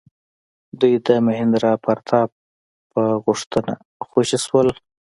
دوی د مهیندرا پراتاپ په غوښتنه خوشي شول.